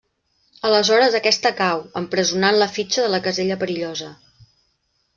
Aleshores aquesta cau empresonant la fitxa de la casella perillosa.